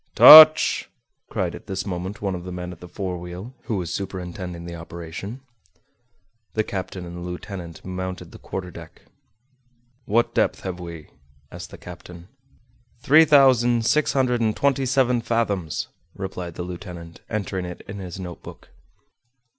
"Touch!" cried at this moment one of the men at the forewheel, who was superintending the operation. The captain and the lieutenant mounted the quarterdeck. "What depth have we?" asked the captain. "Three thousand six hundred and twenty seven fathoms," replied the lieutenant, entering it in his notebook.